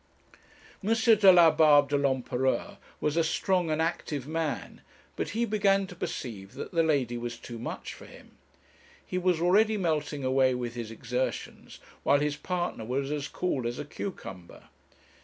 M. Delabarbe de l'Empereur was a strong and active man, but he began to perceive that the lady was too much for him. He was already melting away with his exertions, while his partner was as cool as a cucumber.